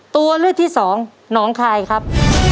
ตัวเลือกที่สองหนองคายครับ